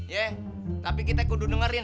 ye tapi kita kudu dengerin